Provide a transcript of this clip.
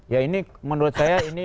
ya ini menurut saya